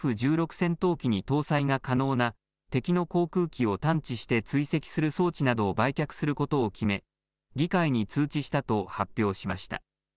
戦闘機に搭載が可能な敵の航空機を探知して追跡する装置などを売却することを決め議会に通知したと発表しました。